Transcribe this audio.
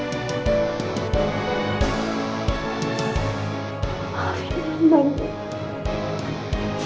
karena aku bukan anak kandung mama